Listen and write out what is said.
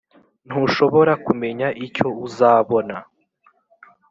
ntushobora kumenya icyo uzabona.